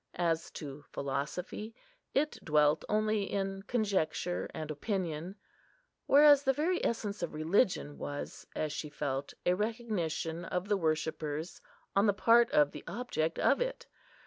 As to philosophy, it dwelt only in conjecture and opinion; whereas the very essence of religion was, as she felt, a recognition of the worshippers on the part of the Object of it.